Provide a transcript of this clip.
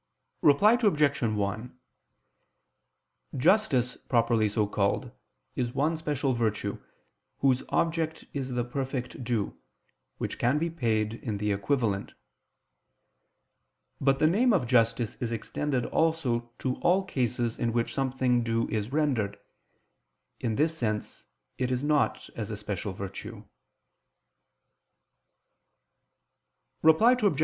Reply Obj. 1: Justice properly so called is one special virtue, whose object is the perfect due, which can be paid in the equivalent. But the name of justice is extended also to all cases in which something due is rendered: in this sense it is not as a special virtue. Reply Obj.